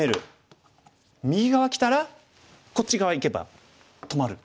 右側きたらこっち側いけば止まる。